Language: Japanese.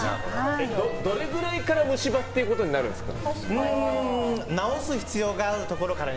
どれぐらいから虫歯ってことになるんですか。